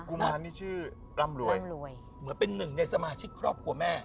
ุมารนี่ชื่อร่ำรวยร่ำรวยเหมือนเป็นหนึ่งในสมาชิกครอบครัวแม่